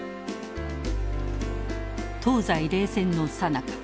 東西冷戦のさなか